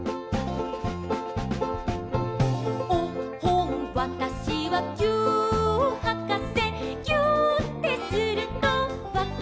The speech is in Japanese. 「おっほんわたしはぎゅーっはかせ」「ぎゅーってするとわかるのよ」